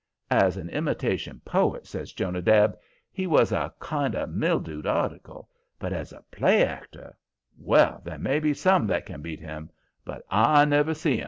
"As an imitation poet," says Jonadab, "he was a kind of mildewed article, but as a play actor well, there may be some that can beat him, but I never see 'em!"